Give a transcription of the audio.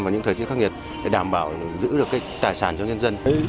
vào những thời tiết khắc nhiệt để đảm bảo giữ được cái tài sản cho nhân dân